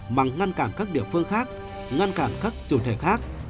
mà ngăn cản các địa phương khác ngăn cản các chủ thể khác